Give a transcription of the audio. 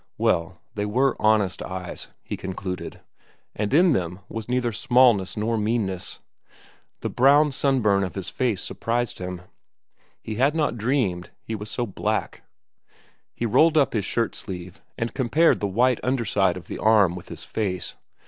Well, they were honest eyes, he concluded, and in them was neither smallness nor meanness. The brown sunburn of his face surprised him. He had not dreamed he was so black. He rolled up his shirt sleeve and compared the white underside of the arm with his face.